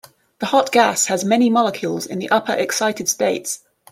The hot gas has many molecules in the upper excited states.